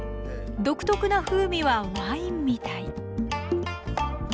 独特な風味はワインみたい。